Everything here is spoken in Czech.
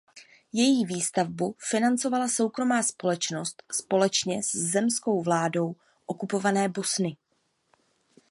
Její výstavbu financovala soukromá společnost společně s zemskou vládou okupované Bosny.